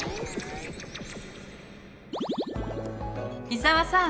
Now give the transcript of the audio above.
伊沢さん！